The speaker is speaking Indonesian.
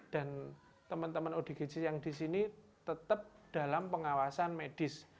dan teman teman odgj yang di sini tetap dalam pengawasan medis